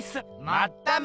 まっため！